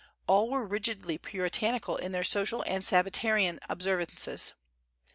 All were rigidly Puritanical in their social and Sabbatarian observances.